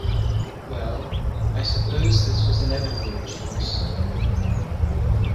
Well, I suppose this was inevitable, Jeeves.